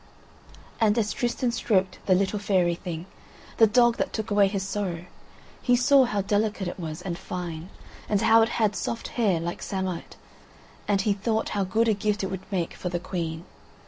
And as Tristan stroked the little fairy thing, the dog that took away his sorrow, he saw how delicate it was and fine, and how it had soft hair like samite, and he thought how good a gift it would make for the Queen.